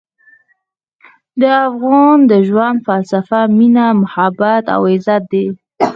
د افغان د ژوند فلسفه مینه، محبت او عزت دی.